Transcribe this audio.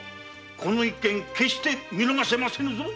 この一件決して見逃せませぬぞ。